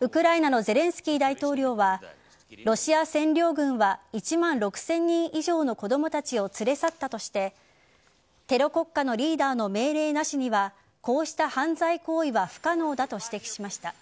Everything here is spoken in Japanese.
ウクライナのゼレンスキー大統領はロシア占領軍は１万６０００人以上の子供たちを連れ去ったとしてテロ国家のリーダーの命令なしにはこうした犯罪行為は不可能だと指摘しました。